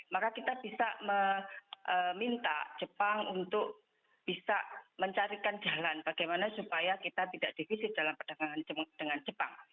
maka kita bisa meminta jepang untuk bisa mencarikan jalan bagaimana supaya kita tidak defisit dalam perdagangan dengan jepang